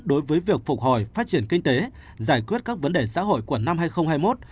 đối với việc phục hồi phát triển kinh tế giải quyết các vấn đề xã hội của năm hai nghìn hai mươi một